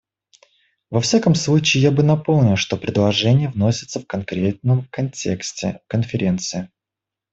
Во всяком случае, я бы напомнил, что предложения вносятся в конкретном контексте Конференции.